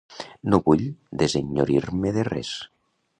No vull desensenyorir-me de res.